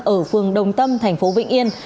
ở phường đông tâm thành phố vịnh yên